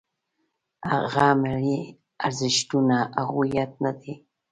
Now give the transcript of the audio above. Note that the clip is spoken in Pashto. هغه ملي ارزښتونه او هویت نه دی.